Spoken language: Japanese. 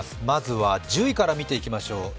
まずは１０位から見ていきましょう。